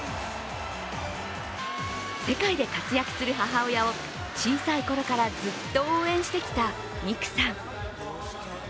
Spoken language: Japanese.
世界で活躍する母親を小さいころからずっと応援してきた美空さん。